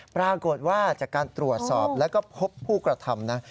ปรากฏว่าจากการตรวจสอบแล้วก็พบผู้กระทำนะ